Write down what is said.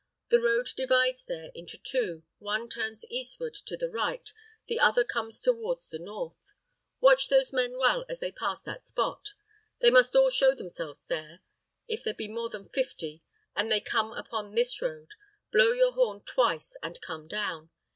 The road divides there into two; one turns eastward to the right, the other comes toward the north. Watch those men well as they pass that spot. They must all show themselves there. If there be more than fifty, and they come upon this road, blow your horn twice and come down.